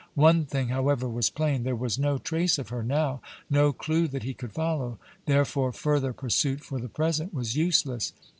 One thing, however, was plain there was no trace of her now; no clue that he could follow; therefore, further pursuit for the present was useless.